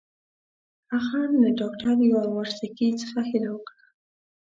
اخند له ډاکټر یاورسکي څخه هیله وکړه.